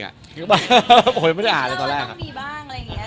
คือว่าต้องมีบ้างอะไรอย่างเงี้ย